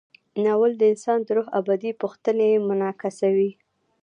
ناول د انسان د روح ابدي پوښتنې منعکسوي.